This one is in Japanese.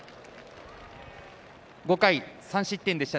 ５回３失点でした。